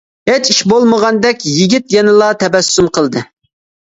ھېچ ئىش بولمىغاندەك يىگىت يەنىلا تەبەسسۇم قىلدى.